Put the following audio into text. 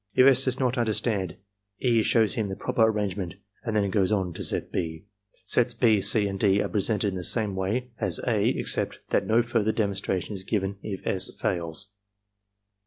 If S. does not under stand, E. shows him the proper arrangement and then goes on to set (6). Sets (6), (c), and (d) are presented in the same way as (a), except that no further demonstration is given if S. fails.